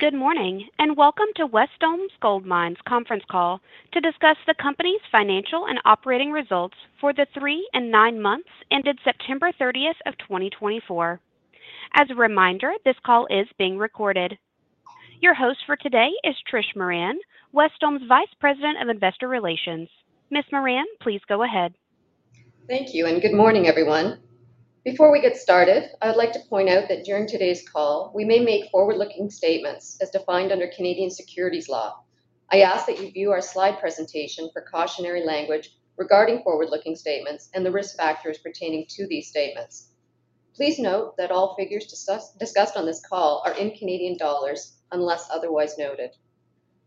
Good morning and welcome to Wesdome Gold Mines conference call to discuss the company's financial and operating results for the three and nine months ended September 30th of 2024. As a reminder, this call is being recorded. Your host for today is Trish Moran, Wesdome's Vice President of Investor Relations. Ms. Moran, please go ahead. Thank you and good morning everyone. Before we get started, I would like to point out that during today's call we may make forward looking statements as defined under Canadian securities law. I ask that you view our slide presentation for cautionary language regarding forward looking statements and the risk factors pertaining to these statements. Please note that all figures discussed on this call are in Canadian dollars unless otherwise noted.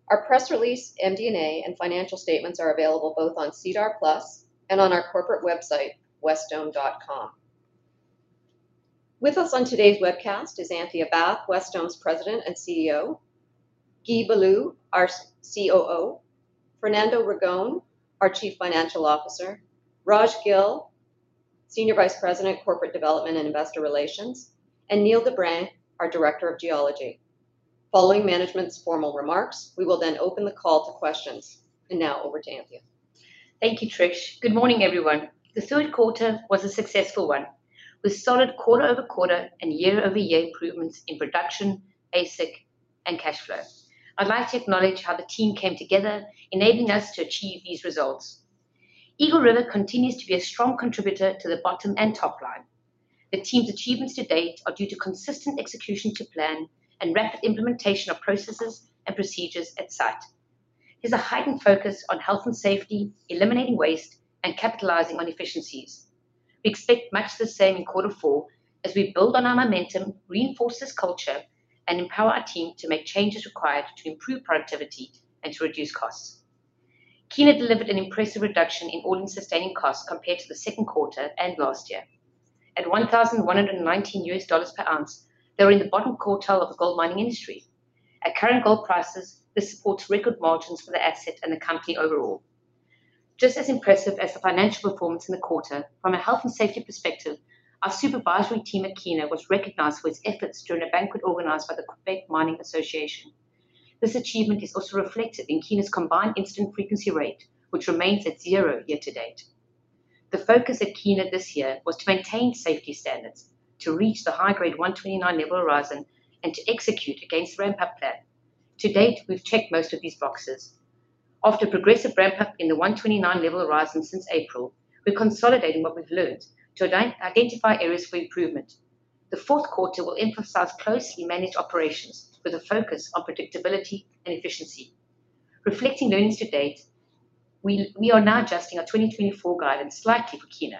Our press release MD&A and financial statements are available both on SEDAR+ and on our corporate website wesdome.com. With us on today's webcast is Anthea Bath, Wesdome's President and CEO, Guy Belleau, our COO, Fernando Ragone, our Chief Financial Officer, Raj Gill, Senior Vice President, Corporate Development and Investor Relations, and Niel de Bruin, our Director of Geology. Following management's formal remarks, we will then open the call to questions. And now over to Anthea. Thank you, Trish. Good morning everyone. The third quarter was a successful one with solid quarter over quarter and year over year improvements in production, AISC and cash flow. I'd like to acknowledge how the team came together enabling us to achieve these results. Eagle River continues to be a strong contributor to the bottom and top line. The team's achievements to date are due to consistent execution to plan and rapid implementation of processes and procedures. At the site, there's a heightened focus on health and safety, eliminating waste and capitalizing on efficiencies. We expect much the same in quarter four as we build on our momentum, reinforce this culture and empower our team to make changes required to improve productivity and to reduce costs. Kiena delivered an impressive reduction in all in sustaining costs compared to the second quarter and last year. At $1,119 per ounce, they were in the bottom quartile of the gold mining industry at current gold prices. This supports record margins for the asset and the company overall. Just as impressive as the financial performance in the quarter from a health and safety perspective. Our supervisory team at Kiena was recognized for its efforts during a banquet organized by the Quebec Mining Association. This achievement is also reflected in Kiena's combined incident frequency rate which remains at zero year to date. The focus at Kiena this year was to maintain safety standards to reach the high grade 129 level horizon and to execute against the ramp up plan. To date, we've checked most of these boxes. After progressive ramp up in the 129-level horizon since April, we're consolidating what we've learned to identify areas for improvement. The fourth quarter will emphasize closely managed operations with a focus on predictability and efficiency. Reflecting learnings to date, we are now adjusting our 2024 guidance slightly for Kiena.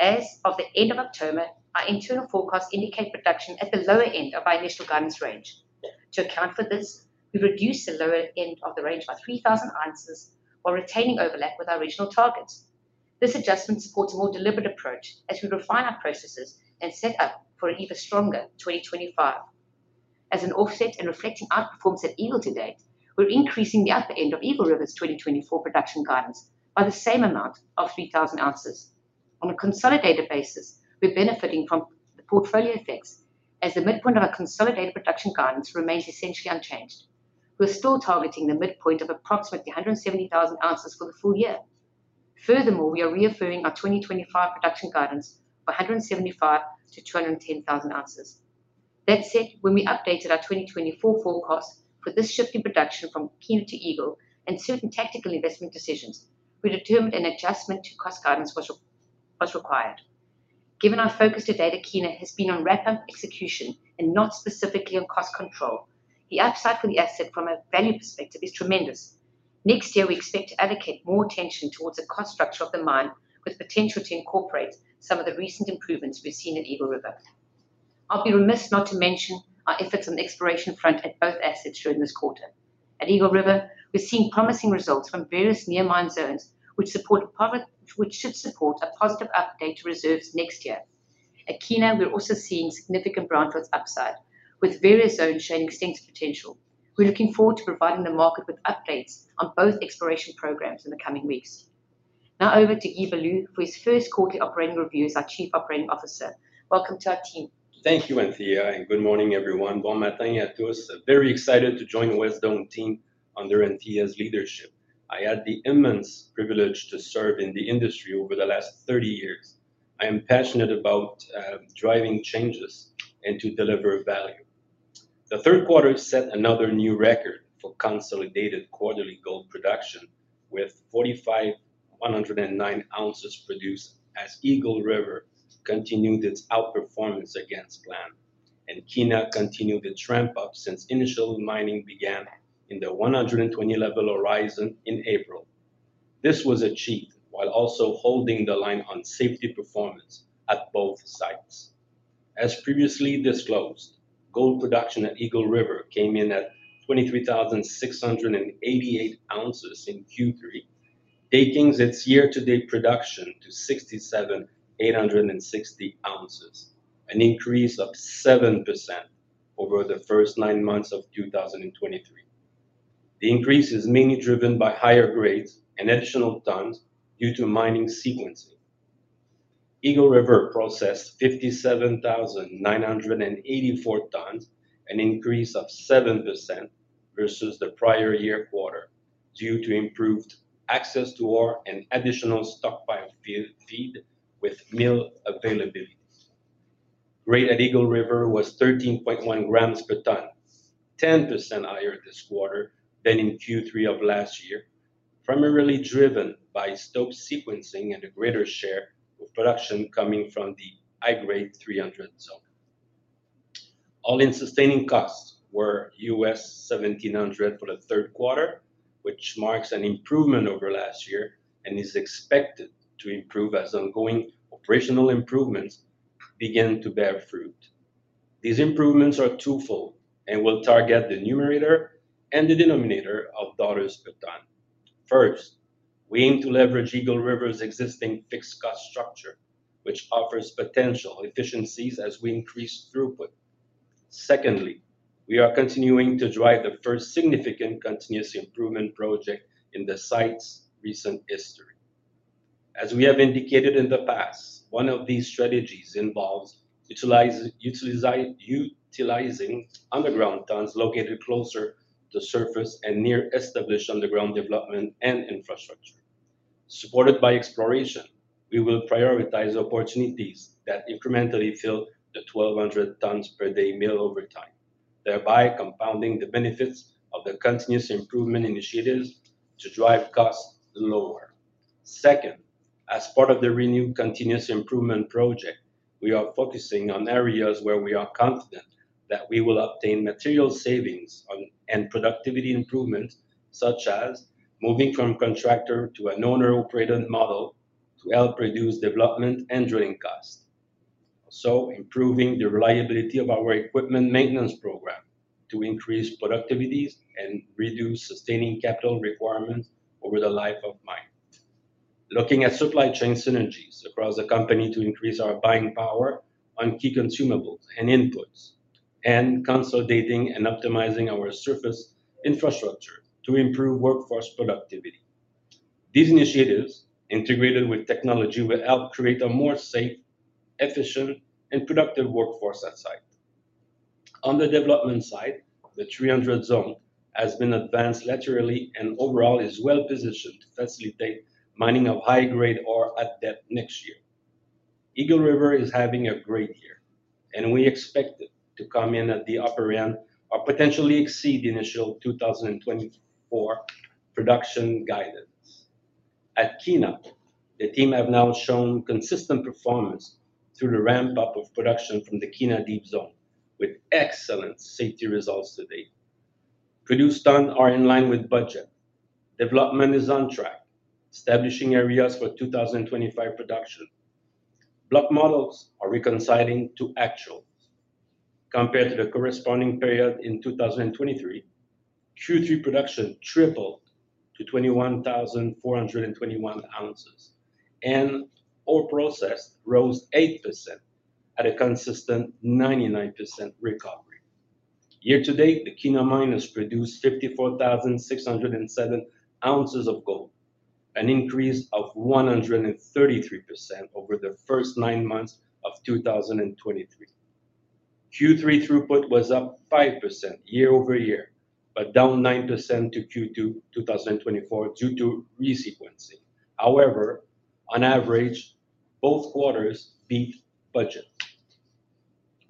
As of the end of October, our internal forecasts indicate production at the lower end of our initial guidance range. To account for this, we reduced the lower end of the range by 3,000 ounces while retaining overlap with our regional targets. This adjustment supports a more deliberate approach as we refine our processes and set up for an even stronger 2025. As an offset and reflecting outperformance at Eagle to date, we're increasing the upper end of Eagle River's 2024 production guidance by the same amount of 3,000 ounces. On a consolidated basis, we're benefiting from the portfolio effects. As the midpoint of our consolidated production guidance remains essentially unchanged, we're still targeting the midpoint of approximately 170,000 ounces for the full year. Furthermore, we are reaffirming our 2025 production guidance for 175,000 ounces-210,000 ounces. That said, when we updated our 2024 forecast for this shift in production from Kiena to Eagle and certain tactical investment decisions, we determined an adjustment to cost guidance was required. Given our focus today that Kiena has been on ramp up execution and not specifically on cost control, the upside for the asset from a value perspective is tremendous. Next year we expect to allocate more attention towards the cost structure of the mine, with potential to incorporate some of the recent improvements we've seen in Eagle River. I'll be remiss not to mention our efforts on the exploration front at both assets during this quarter. At Eagle River, we're seeing promising results from various near mine zones which should support a positive update to reserves next year. At Kiena, we're also seeing significant brownfields upside with various zones showing extensive potential. We're looking forward to providing the market with updates on both exploration programs in the coming weeks. Now over to Guy Belleau for his first quarter operating review as our Chief Operating Officer. Welcome to our team. Thank you, Anthea, and good morning, everyone. Very excited to join the Wesdome team under Anthea's leadership. I had the immense privilege to serve in the industry over the last 30 years. I am passionate about driving changes and to deliver value. The third quarter set another new record for consolidated quarterly gold production with 45,109 ounces produced as Eagle River continued its outperformance against plan and Kiena continued its ramp-up since initial mining began in the 120-level horizon in April. This was achieved while also holding the line on safety performance at both sites. As previously disclosed, gold production at Eagle River came in at 23,688 ounces in Q3, taking its year-to-date production to 67,860 ounces, an increase of 7% over the first nine months of 2023. The increase is mainly driven by higher grades and additional tons due to mining sequencing. Eagle River processed 57,984 tons, an increase of 7% versus the prior year quarter due to improved access to ore and additional stockpile feed with mill availability. Grade at Eagle River was 13.1 g per ton, 10% higher this quarter than in Q3 of last year, primarily driven by stope sequencing and a greater share of production coming from the high-grade 300 Zone. All-in sustaining costs were $1,700 for the third quarter, which marks an improvement over last year and is expected to improve as ongoing operational improvements begin to bear fruit. These improvements are twofold and will target the numerator and the denominator of dollars per ton. First, we aim to leverage Eagle River's existing fixed cost structure which offers potential efficiencies as we increase throughput. Secondly, we are continuing to drive the first significant continuous improvement project in the site's recent history. As we have indicated in the past, one of these strategies involves utilizing underground tons located closer to surface and near established underground development and infrastructure supported by exploration. We will prioritize opportunities that incrementally fill the 1200 tons per day mill over time, thereby compounding the benefits of the continuous improvement initiatives to drive costs lower. Second, as part of the renewed continuous improvement project we are focusing on areas where we are confident that we will obtain material savings and productivity improvements such as moving from contractor to an owner operated model to help reduce development and drilling costs, also improving the reliability of our equipment maintenance program to increase productivity and reduce sustaining capital requirements over the life of mine, looking at supply chain synergies across the company to increase our buying power on key consumables and inputs, and consolidating and optimizing our surface infrastructure to improve workforce productivity. These initiatives integrated with technology will help create a more safe, efficient and productive workforce at site. On the development side, the 300 Zone has been advanced laterally and overall is well positioned to facilitate mining of high grade ore at depth next year. Eagle River is having a great year and we expect it to come in at the upper end or potentially exceed the initial 2024 production guidance at Kiena. The team have now shown consistent performance through the ramp up of production from the Kiena Deep Zone with excellent safety results to date. Produced ton are in line with budget. Development is on track establishing areas for 2025 production. Block models are reconciling to actual. Compared to the corresponding period in 2023, Q3 production tripled to 21,421 ounces and ore processed rose 8% at a consistent 99% recovery. Year to date the Kiena mine has produced 54,607 ounces of gold, an increase of 133% over the first nine months of 2023. Q3 throughput was up 5% year-over-year but down 9% to Q2 2024 due to resequencing. However, on average both quarters beat budget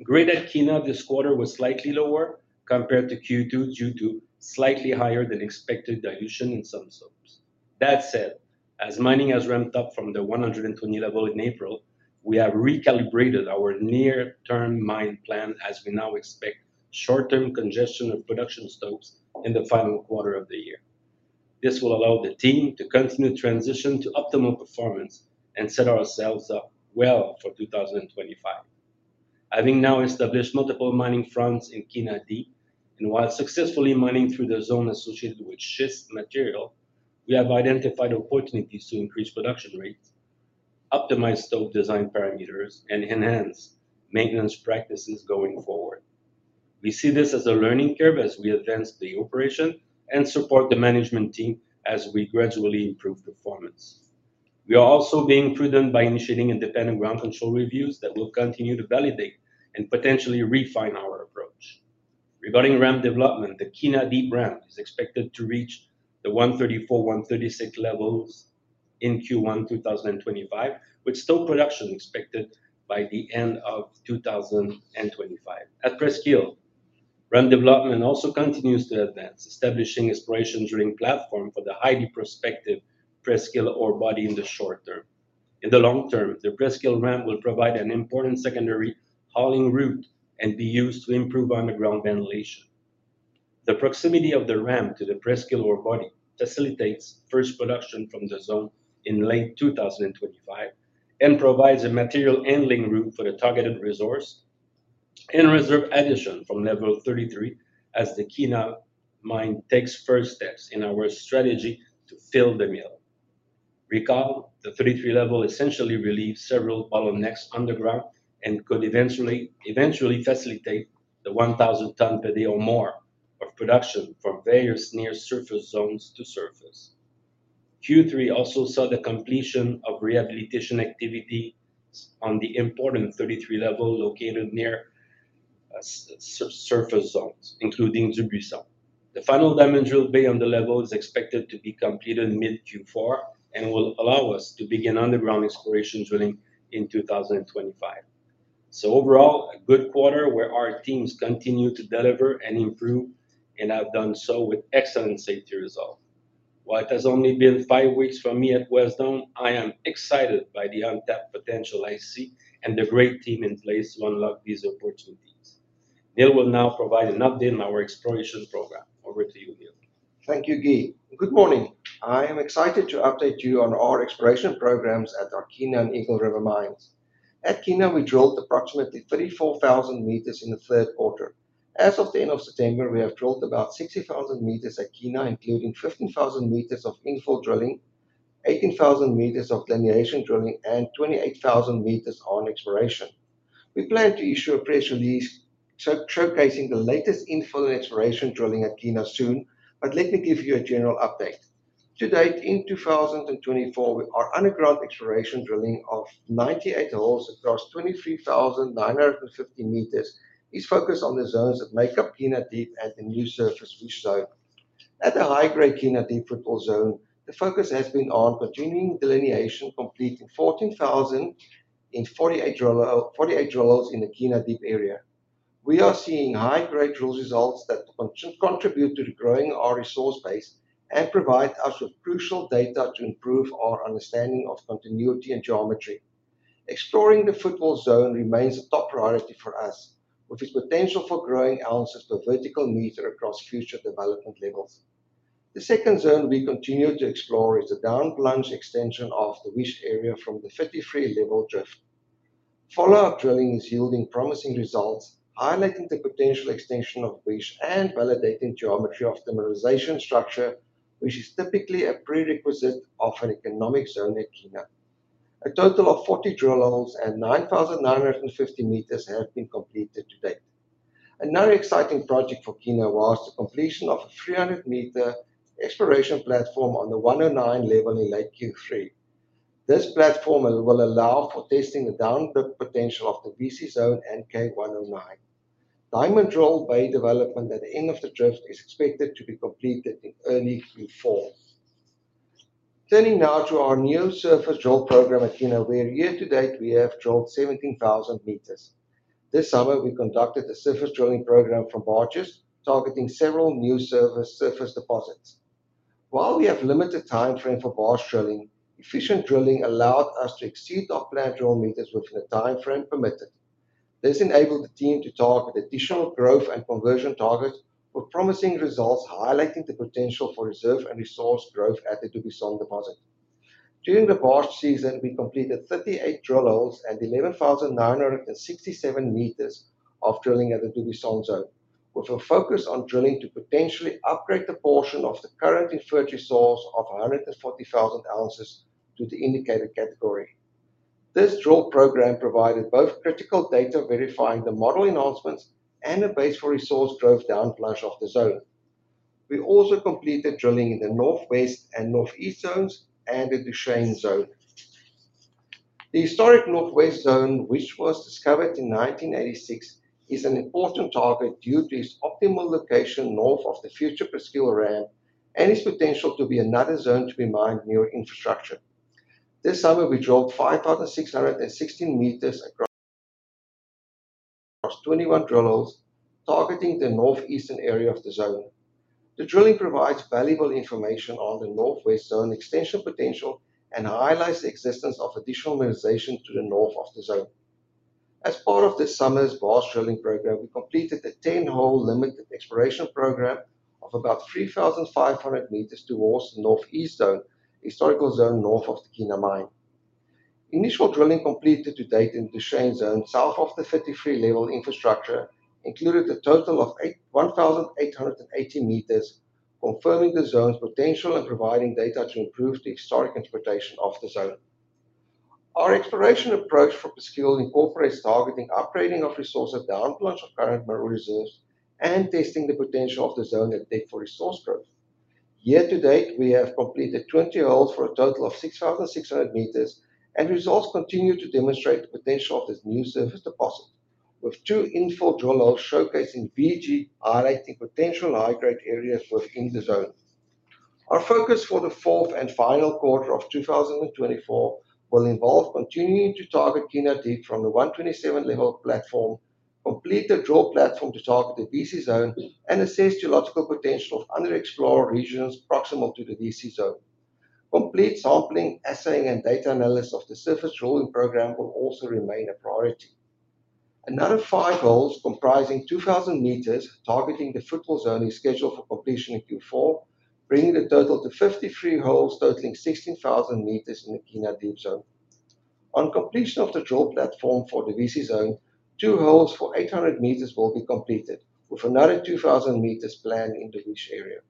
grade at Kiena. This quarter was slightly lower compared to Q2 due to slightly higher than expected dilution in some stopes. That said, as mining has ramped up from the 120-level in April, we have recalibrated our near term mine plan as we now expect short term congestion of production stopes in the final quarter of the year. This will allow the team to continue transition to optimal performance and set ourselves up well for 2025. Having now established multiple mining fronts in Kiena Deep and while successfully mining through the zone associated with schist material, we have identified opportunities to increase production rates, optimize stope design parameters and enhance maintenance practices going forward. We see this as a learning curve as we advance the operation and support the management team. As we gradually improve performance, we are also being prudent by initiating independent ground control reviews that will continue to validate and potentially refine our approach regarding ramp development. The Kiena Deep ramp is expected to reach the 134, 136 levels in Q1 2025, which with stope production expected by the end of 2025 at Presqu’île ramp development also continues to advance establishing exploration drilling platform for the highly prospective Presqu’île ore body in the short term. In the long term, the Presqu’île ramp will provide an important secondary hauling route and be used to improve underground ventilation. The proximity of the ramp to the Presqu’île ore body facilitates first production from the zone in late 2025 and provides a material handling route for the targeted resource and reserve addition from level 33 as the Kiena mine takes first steps in our strategy to fill the mill. Recall the 33 level essentially relieves several bottlenecks underground and could eventually facilitate the 1,000 ton per day or more of production from various near-surface zones to surface. Q3 also saw the completion of rehabilitation activity on the important 33 level located near-surface zones including Dubuisson. The final diamond drill bay on the level is expected to be completed mid Q4 and will allow us to begin underground exploration drilling in 2025. So overall a good quarter where our teams continue to deliver and improve and have done so with excellent safety results. While it has only been five weeks for me at Wesdome, I am excited by the untapped potential I see and the great team in place to unlock these opportunities. Niel will now provide an update on our exploration program. Over to you, Niel. Thank you, Guy. Good morning. I am excited to update you on our exploration programs at Kiena and Eagle River Mines. At Kiena, we drilled approximately 34,000 m in the third quarter. As of the end of September we have drilled about 60,000 m at Kiena including 15,000 m of infill drilling, 18,000 m of delineation drilling and 28,000 m on exploration. We plan to issue a press release showcasing the latest infill and exploration drilling at Kiena soon, but let me give you a general update to date. In 2024 we are underground exploration drilling of 98 holes across 23,000 or 15,000 m, is focused on the zones that make up Kiena Deep and the new surface Dubuisson. At the high grade Kiena Deep Footwall Zone the focus has been on continuing delineation, completing 14,000 m in 48 drill holes in the Kiena Deep area. We are seeing high-grade drill results that contribute to growing our resource base and provide us with crucial data to improve our understanding of continuity and geometry. Exploring the Footwall Zone remains a top priority for us with its potential for growing ounces per vertical meter across future development levels. The second zone we continue to explore is the down plunge extension of the Wish Area from the 53 level drift. Follow-up drilling is yielding promising results highlighting the potential extension of Wish and validating geometry of mineralization structure which is typically a prerequisite of an economic zone at Kiena. A total of 40 drill holes and 9,950 m have been completed to date. Another exciting project for Kiena was the completion of a 300-meter exploration platform on the 109-level in late Q3. This platform will allow for testing the down-dip potential of the VC Zone and K 109. Diamond drill bay development at the end of the drift is expected to be completed in early Q4. Turning now to our new surface drill program at Kiena where year to date we have drilled 17,000 m. This summer we conducted a surface drilling program from barges targeting several new surface deposits. While we have limited time frame for barge drilling, efficient drilling allowed us to exceed our planned drill meters within the time frame permitted. This enabled the team to target additional growth and conversion targets with promising results highlighting the potential for reserve and resource growth at the Dubuisson Deposit. During the past season we completed 38 drill holes and 11,967 m of drilling at the Dubuisson Zone with a focus on drilling to potentially upgrade the portion of the current inferred resource of 140,000 ounces to the indicated category. This drill program provided both critical data verifying the model enhancements and a base for resource growth down plunge of the zone. We also completed drilling in the Northwest and Northeast zones and Shawkey Zone. The historic Northwest Zone which was discovered in 1986 is an important target due to its optimal location north of the future Presqu’île ramp and its potential to be another zone to be mined near infrastructure. This summer we drilled 5,616 m across 21 drill holes targeting the northeastern area of the zone. The drilling provides valuable information on the Northwest Zone extension potential and highlights the existence of additional mineralization to the north of the zone. As part of this summer's barge drilling program, we completed the 10-hole limited exploration program of about 3,500 meters towards the Northeast Zone historical zone north of the Kiena Mine. Initial drilling completed to date in Shawkey Zone south of the 33-level infrastructure included a total of 1,880 meters, confirming the zone's potential and providing data to improve the historic interpretation of the zone. Our exploration approach for Presqu’île incorporates targeting, upgrading of resources, down-plunge of current mineral reserves and testing the potential of the zone at depth for resource growth. Year to date we have completed 20 holes for a total of 6,600 m and results continue to demonstrate the potential of this new surface deposit with two infill drill holes showcasing VG highlighting potential high grade areas within the zone. Our focus for the fourth and final quarter of 2024 will involve continuing to target Kiena Deep from the 127-level platform. Complete the drill platform to target the VC Zone and assess geological potential of under explored regions proximal to the VC Zone. Complete sampling assaying and data analysis of the surface drilling program will also remain a priority. Another five holes comprising 2,000 m targeting the Footwall Zone is scheduled for completion in Q4, bringing the total to 53 holes totaling 16,000 m in the Kiena Deep Zone. On completion of the drill platform for the VC Zone, two holes for 800 m will be completed with another 2,000 m planned in the Wish Area.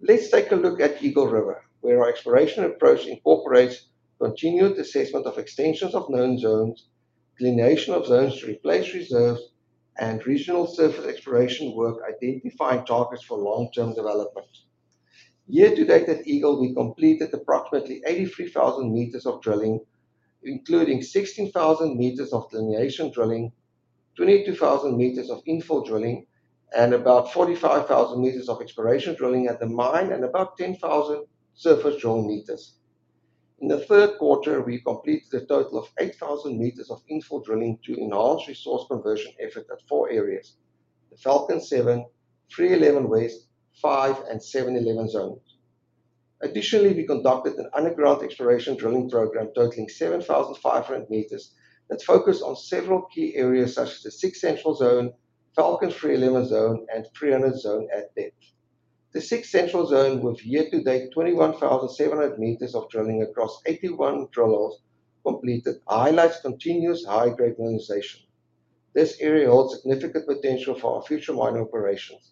Let's take a look at Eagle River where our exploration approach incorporates continued assessment of extensions of known zones, delineation of zones to replace reserves and regional surface exploration work identifying targets for long term development. Year to date at Eagle, we completed approximately 83,000 m of drilling including 16,000 m of delineation drilling, 22,000 m of infill drilling and about 45,000 m of exploration drilling at the mine and about 10,000 surface drill meters. In the third quarter, we completed a total of 8,000 m of infill drilling to enhance resource conversion effort at the Falcon 7, 311 West, 5 and 711 zones. Additionally, we conducted an underground exploration drilling program totaling 7,500 m that focus on several key areas such as the 6 Central Zone, Falcon 311 Zone and 300 Zone at depth. The 6 Central Zone with year-to-date 21,700 m of drilling across 81 drillholes completed highlights continuous high-grade mineralization. This area holds significant potential for our future mining operations.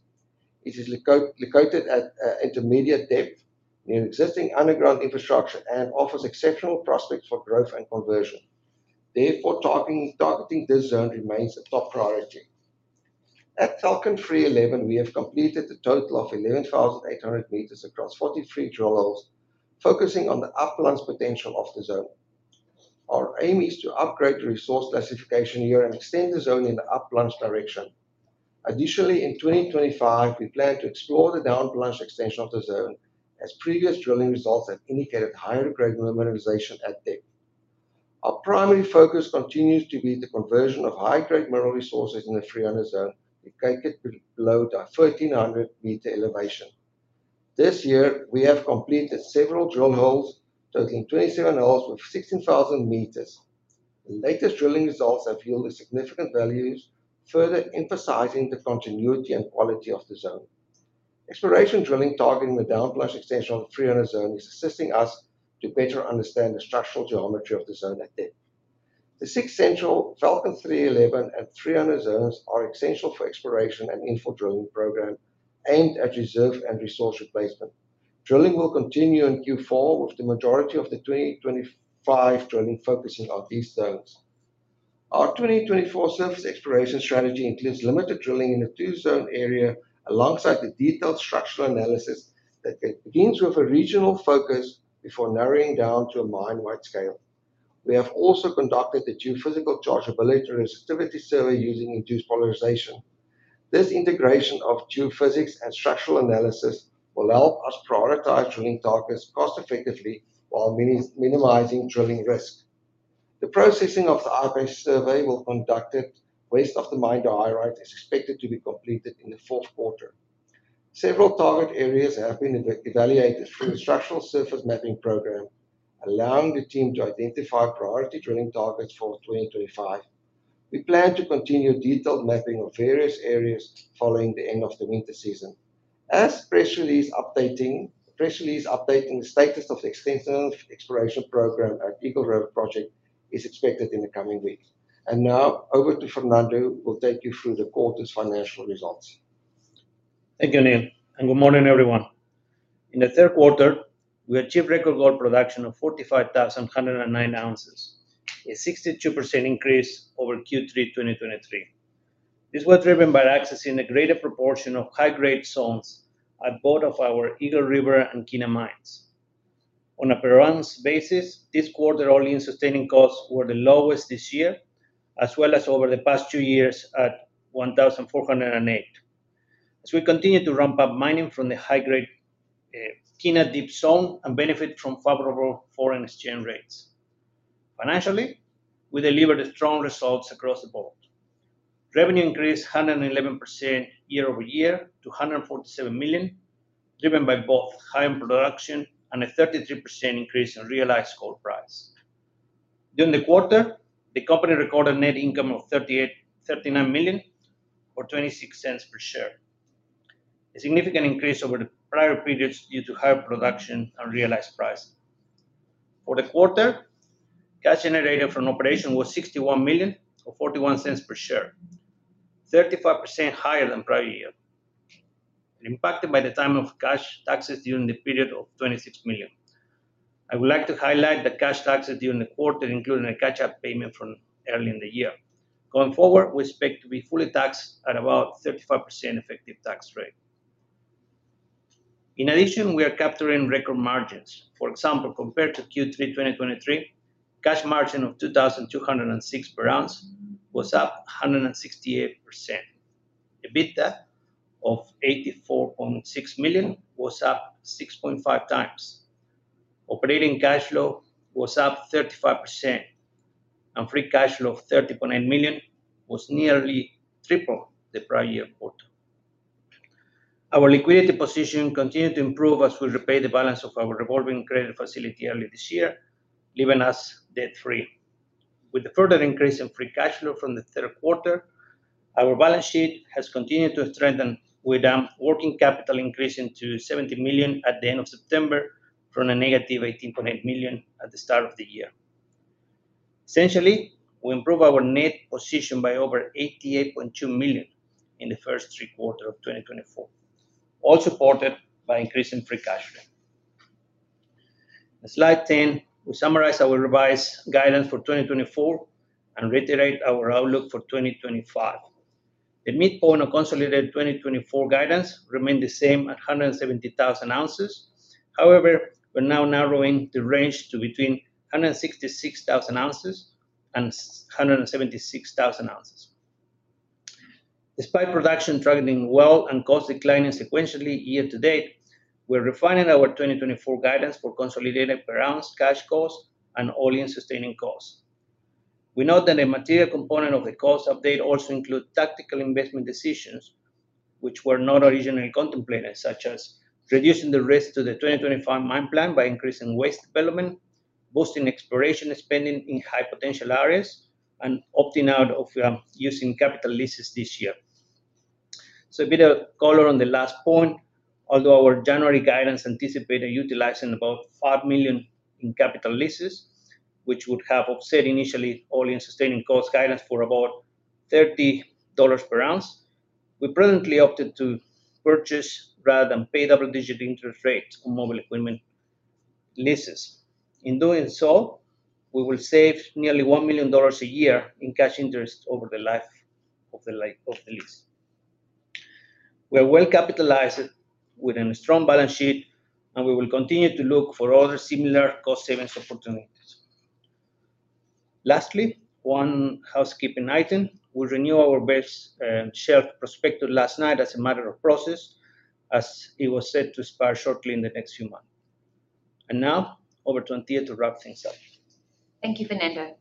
It is located at intermediate depth near existing underground infrastructure and offers exceptional prospects for growth and conversion. Therefore, targeting this zone remains a top priority. At Falcon 311, we have completed a total of 11,800 m across 43 drill levels focusing on the up-plunge potential of the zone. Our aim is to upgrade the resource classification year and extend the zone in the up-plunge direction. Additionally, in 2025 we plan to explore the downplunge extension of the zone as previous drilling results have indicated higher grade mineralization at depth. Our primary focus continues to be the conversion of high grade mineral resources in the 300 Zone with capped below to a 1,300-meter elevation. This year we have completed several drill holes totaling 27 holes with 16,000 m. The latest drilling results have yielded significant values further emphasizing the continuity and quality of the zone. Exploration drilling targeting the downplunge extension of the 300 Zone is assisting us to better understand the structural geometry of the zone at depth. The 6 Central, Falcon 311, and 300 Zones are essential for exploration and infill drilling program aimed at reserve and resource replacement drilling will continue in Q4 with the majority of the 2025 drilling focusing on these zones. Our 2024 surface exploration strategy includes limited drilling in the 300 Zone area alongside the detailed structural analysis that begins with a regional focus before narrowing down to a mine-wide scale. We have also conducted the geophysical chargeability resistivity survey using induced polarization. This integration of geophysics and structural analysis will help us prioritize drilling targets cost-effectively while minimizing drilling risk. The processing of the IP survey is expected to be completed in the fourth quarter. Several target areas have been evaluated through a structural surface mapping program allowing the team to identify priority drilling targets for 2025. We plan to continue detailed mapping of various areas following the end of the winter season. A press release updating the status of the extensive exploration program at Eagle River project is expected in the coming weeks. And now over to Fernando. We'll take you through the quarter's financial results. Thank you Niel and good morning everyone. In the third quarter we achieved record gold production of 45,109 ounces, a 62% increase over Q3 2023. This was driven by accessing a greater proportion of high-grade zones at both of our Eagle River and Kiena mines. On a per ounce basis, this quarter all-in sustaining costs were the lowest this year as well as over the past two years at 1,408. As we continue to ramp up mining from the high-grade Kiena Deep Zone and benefit from favorable foreign exchange rates financially, we delivered strong results across the board. Revenue increased 111% year-over-year to 147 million driven by both high-end production and a 33% increase in realized gold price. During the quarter the company recorded net income of 39 million or 0.26 per share, a significant increase over the prior periods due to higher production and realized price for the quarter. Cash generated from operations was 61 million or 0.41 per share, 35% higher than prior year impacted by the timing of cash taxes during the period of 26 million. I would like to highlight the cash taxes during the quarter including a catch-up payment from early in the year. Going forward we expect to be fully taxed at about 35% effective tax rate. In addition, we are capturing record margins. For example, compared to Q3 2023, cash margin of 2,206 per ounce was up 168%. EBITDA of 84.6 million was up 6.5x, operating cash flow was up 35%, and free cash flow of 30.8 million was nearly triple the prior year quarter. Our liquidity position continued to improve as we repay the balance of our revolving credit facility earlier this year, leaving us debt free. With the further increase in free cash flow from the third quarter, our balance sheet has continued to strengthen with working capital increasing to 70 million at the end of September from a -18.8 million at the start of the year. Essentially, we improve our net position by over 88.2 million in the first three quarter of 2024, all supported by increasing free cash flow. Slide 10, we summarize our revised guidance for 2024 and reiterate our outlook for 2025. The midpoint of consolidated 2024 guidance remained the same at 170,000 ounces. However, we're now narrowing the range to between 166,000 ounces and 176,000 ounces. Despite production tracking well and cost declining sequentially year to date, we're refining our 2024 guidance for consolidated per ounce cash cost and all in sustaining costs. We note that a material component of the cost update also include tactical investment decisions which were not originally contemplated, such as reducing the risk to the 2025 mine plan by increasing waste development, boosting exploration spending in high potential areas and opting out of using capital leases this year, so a bit of color on the last point. Although our January guidance anticipated utilizing about 5 million in capital leases which would have offset initially all in sustaining cost guidance for about 30 dollars per ounce, we prudently opted to purchase rather than pay double digit interest rate on mobile equipment leases. In doing so, we will save nearly 1 million dollars a year in cash interest over the life of the lease. We are well capitalized with a strong balance sheet and we will continue to look for other similar cost savings opportunities. Lastly, one housekeeping item: we renew our Base Shelf Prospectus last night as a matter of process as it was set to expire shortly in the next few months. And now, over to Anthea to wrap things up. Thank you, Fernando.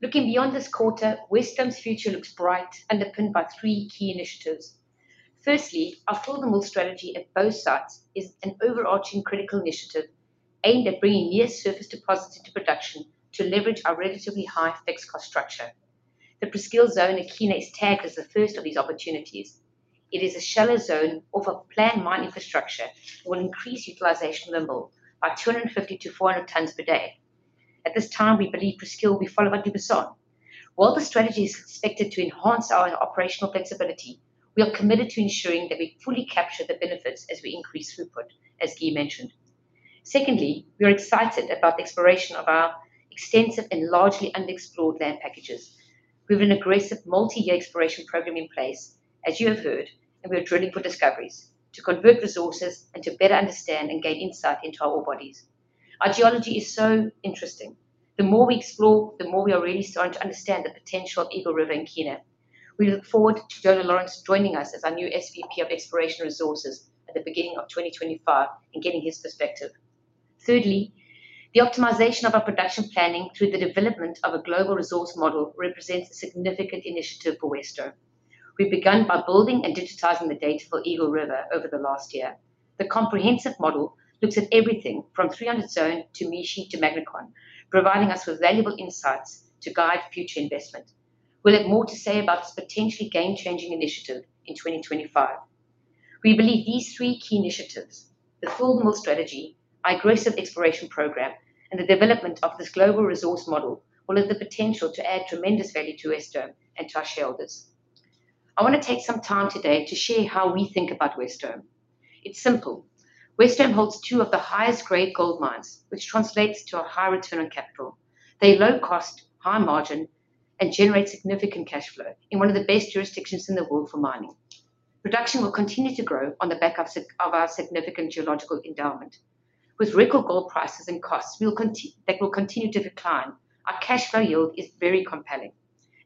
Looking beyond this quarter, Wesdome's future looks bright, underpinned by three key initiatives. Firstly, our fill the mill strategy at both sites is an overarching critical initiative aimed at bringing near surface deposits into production to leverage our relatively high fixed cost structure. The Presqu’île zone at Kiena is tagged as the first of these opportunities. It is a shallow zone off of planned mine infrastructure that will increase utilization of the mill by 250 tons-400 tons per day. At this time we believe Presqu’île will be followed by Dubuisson. While the strategy is expected to enhance our operational flexibility, we are committed to ensuring that we fully capture the benefits as we increase throughput, as Guy mentioned. Secondly, we are excited about the exploration of our extensive and largely unexplored land packages. We have an aggressive multi-year exploration program in place as you have heard and we are drilling for discoveries to convert resources and to better understand and gain insight into our ore bodies. Our geology is so interesting. The more we explore, the more we are really starting to understand the potential of Eagle River in Kiena. We look forward to Jono Lawrence joining us as our new SVP of Exploration Resources at the beginning of 2025 and getting his perspective. Thirdly, the optimization of our production planning through the development of a global resource model represents a significant initiative for Wesdome. We've begun by building and digitizing the data for Eagle River over the last year. The comprehensive model looks at everything from 300 Zone to Mishi to Magnacon, providing us with valuable insights to guide future investment. We'll have more to say about this potentially game-changing initiative in 2025. We believe these three key initiatives, the full mill strategy, aggressive exploration program and the development of this global resource model will have the potential to add tremendous value to Wesdome and to our shareholders. I want to take some time today to share how we think about Wesdome. It's simple. Wesdome holds two of the highest-grade gold mines which translates to a high return on capital. They're low-cost, high-margin and generate significant cash flow in one of the best jurisdictions in the world for mining. Production will continue to grow on the back of our significant geological endowment with record gold prices and costs that will continue to decline. Our cash flow yield is very compelling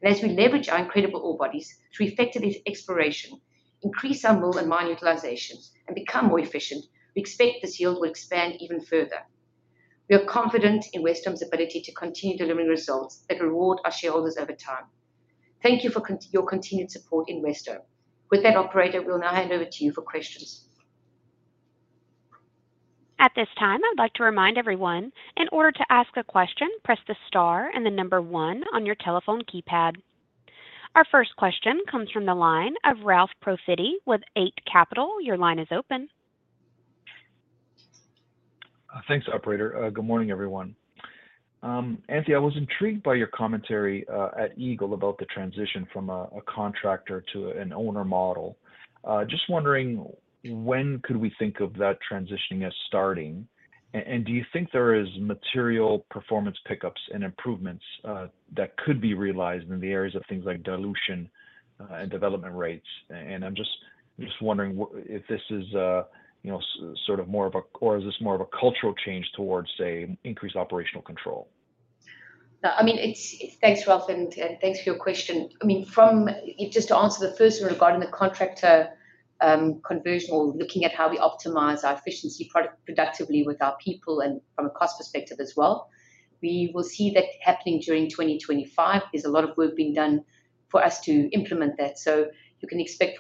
and as we leverage our incredible ore bodies through effective exploration, increase our mill and mine utilizations and become more efficient, we expect this yield will expand even further. We are confident in Wesdome's ability to continue delivering results that reward our shareholders over time. Thank you for your continued support in Wesdome. With that, operator, we will now hand over to you for questions. At this time I'd like to remind everyone in order to ask a question, press the star and the number one on your telephone keypad. Our first question comes from the line of Ralph Profiti with Eight Capital. Your line is open. Thanks, operator. Good morning, everyone. Anthea, I was intrigued by your commentary at Eagle about the transition from a contractor to an owner model. Just wondering, when could we think of that transitioning as starting? Do you think there is material performance pickups and improvements that could be realized in the areas of things like dilution and development rates? I'm just wondering if this is sort of more of a or is this more of a cultural change towards say increased operational control? I mean, thanks Ralph. And thanks for your question. I mean from just to answer the first one regarding the contractor conversion or looking at how we optimize our efficiency productively with our people and from a cost perspective as well, we will see that happening during 2025. There's a lot of work being done for us to implement that. So you can expect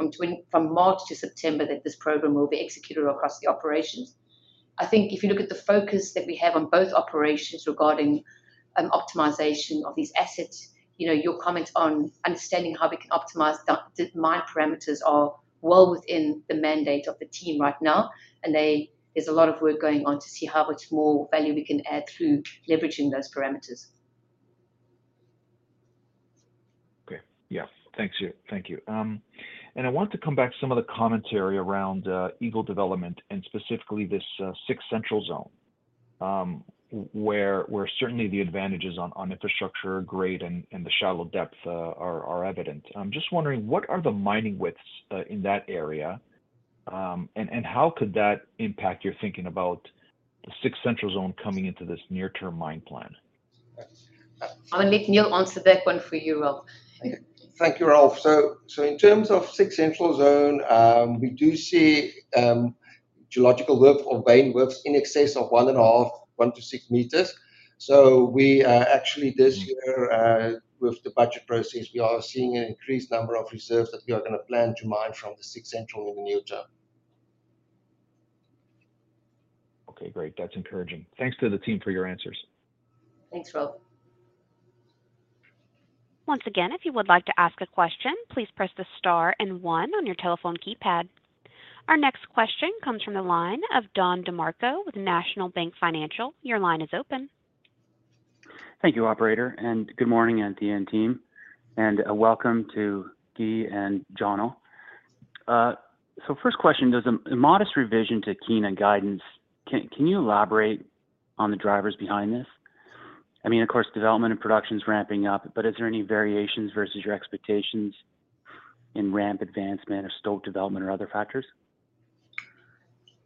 from March to September that this program will be executed across the operations. I think if you look at the focus that we have on both operations regarding optimization of these assets, your comment on understanding how we can optimize my parameters are well within the mandate of the team right now. And there's a lot of work going on to see how much more value we can add through leveraging those parameters. Okay, yeah, thanks. Thank you. I want to come back to some of the commentary around Eagle development and specifically this 6 Central Zone where certainly the advantages on infrastructure, grade, and the shallow depth are evident. I'm just wondering what are the mining widths in that area and how could that impact your thinking about the 6 Central Zone coming into this near-term mine plan? I will let Niel answer that one for you, Ralph. Thank you, Ralph. In terms of 6 Central Zone, we do see geological width or vein widths in excess of one and a half, one to six meters. We actually this year with the budget process we are seeing an increased number of reserves that we are going to plan to mine from the 6 Central Zone. Okay, great. That's encouraging. Thanks to the team for your answers. Thanks Ralph. Once again, if you would like to ask a question, please press the star and one on your telephone keypad. Our next question comes from the line of Don DeMarco with National Bank Financial. Your line is open. Thank you, operator, and good morning, Anthea and team, and welcome to Guy and Jono. So first question, the modest revision to Kiena guidance. Can you elaborate on the drivers behind this? I mean, of course, development and production is ramping up, but is there any variations versus your expectations in ramp advancement or stope development or other factors?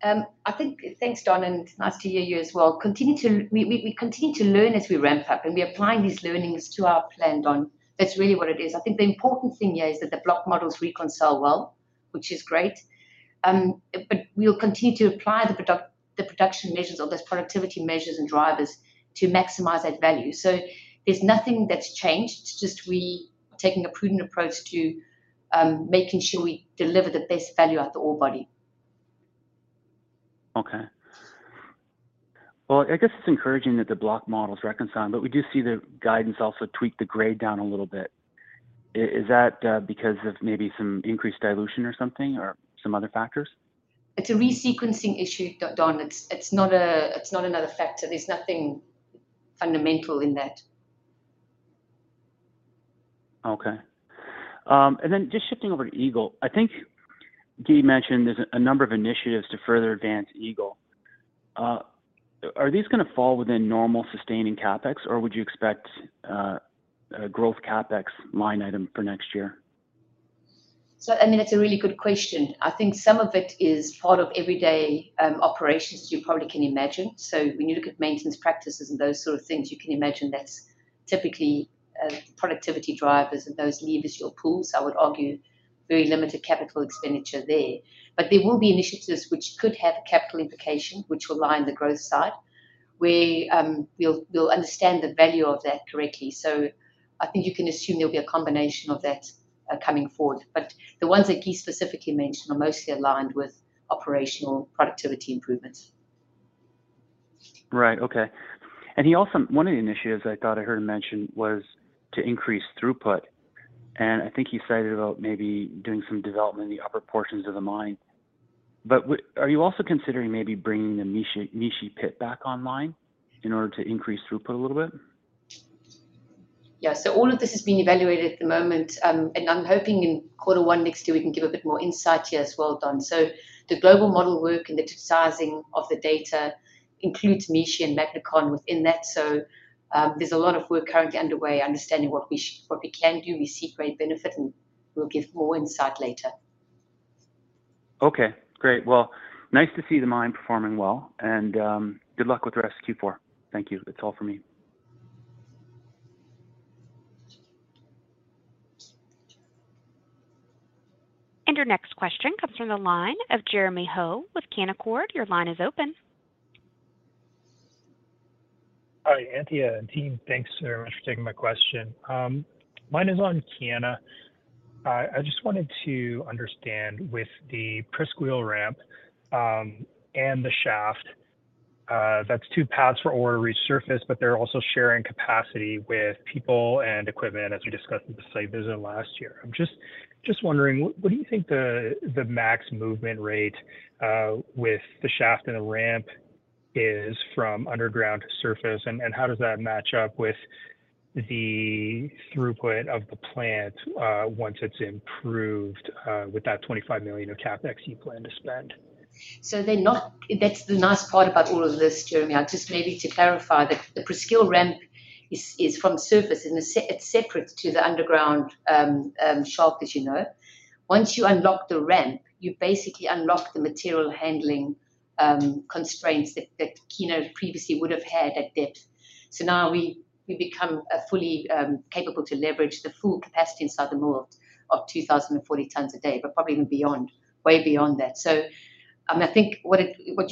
I think thanks Don and nice to hear you as well. We continue to learn as we ramp up and we apply these learnings to our planning. That's really what it is. I think the important thing is that the block models reconcile well, which is great, but we will continue to apply the production measures or those productivity measures and drivers to maximize that value. So there's nothing that's changed, just we're taking a prudent approach to making sure we deliver the best value out of the ore body. Okay, well, I guess it's encouraging that the block model is reconciled, but we do see the guidance also tweak the grade down a little bit. Is that because of maybe some increased dilution or something or some other factors? It's a resequencing issue, Don. It's not another factor. There's nothing fundamental in that. Okay. And then just shifting over to Eagle, I think Guy mentioned there's a number of initiatives to further advance Eagle. Are these going to fall within normal sustaining CapEx, or would you expect growth CapEx line item for next year? It's a really good question. I think some of it is part of everyday operations you probably can imagine. So when you look at maintenance practices and those sort of things, you can imagine that's typically productivity drivers and those levers you pull, I would argue very limited capital expenditure there. But there will be initiatives which could have capital implication which will align with the growth side where we'll understand the value of that correctly. So I think you can assume there'll be a combination of that coming forward. But the ones that Guy specifically mentioned are mostly aligned with operational productivity improvements. Right, okay. And he also, one of the initiatives I thought I heard him mention was to increase throughput. And I think he cited about maybe doing some development in the upper portions of the mine. But are you also considering maybe bringing the Mishi Pit back online in order to increase throughput a little bit? Yeah. So all of this has been evaluated at the moment and I'm hoping in quarter one next year we can give a bit more insight here as well. Don. So the global model work and the digitizing of the data includes Mishi and Magnacon within that. So there's a lot of work currently underway understanding what we can do. We see great benefit and we'll give more insight later. Okay, great. Well, nice to see the mine performing well and good luck with the rest. Q4. Thank you. It's all for me. Your next question comes from the line of Jeremy Ho with Canaccord. Your line is open. All right, Anthea and team, thanks very much for taking my question. Mine is on Kiena. I just wanted to understand with the Presqu’île ramp and the shaft, that's two paths for ore to reach surface, but they're also sharing capacity with people and equipment, as we discussed with the site visit last year. I'm just wondering, what do you think the max movement rate with the shaft and the ramp is from underground surface? And how does that match up with the throughput of the plant once it's improved with that 25 million of CapEx you plan to spend? So they knock. That's the nice part about all of this, Jeremy. Just maybe to clarify that the Presqu’île ramp is from surface and it's separate to the underground shaft. As you know, once you unlock the ramp, you basically unlock the material handling constraints that Kiena previously would have had at depth. So now we become fully capable to leverage the full capacity inside the mill of 2,040 tons a day, but probably even beyond, way beyond that. So I think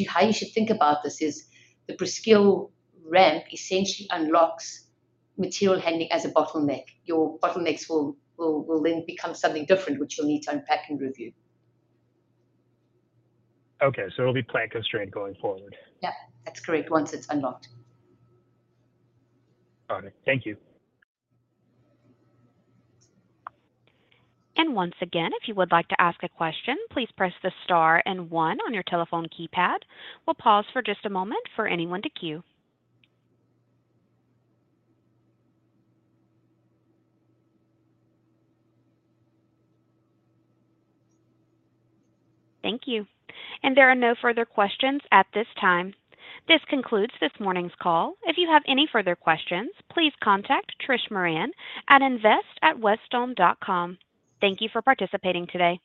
how you should think about this is the Presqu’île ramp essentially unlocks material handling as a bottleneck. Your bottlenecks will then become something different, which you'll need to unpack and review. Okay, so it'll be plant constrained going forward. Yep, that's correct. Once it's unlocked. Thank you. And once again, if you would like to ask a question, please press the star and one on your telephone keypad. We'll pause for just a moment for anyone to queue. Thank you, and there are no further questions at this time. This concludes this morning's call. If you have any further questions, please contact Trish Moran at invest@wesdome.com. Thank you for participating today.